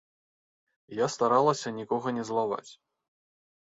Я старалася нікога не злаваць.